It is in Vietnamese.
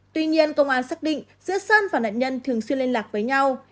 tuy nhiên công an xác định giữa sơn và nạn nhân thường xuyên liên lạc với nhau